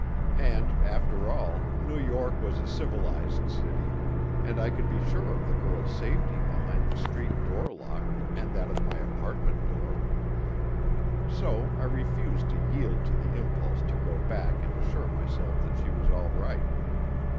And, after all, New York was a civilized city, and I could be sure of the girl's safety behind the street door lock and that of my apartment door. So I refused to yield to the impulse to go back and assure myself that she was all right.